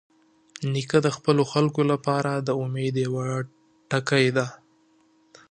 نیکه د خپلو خلکو لپاره د امید یوه ټکۍ ده.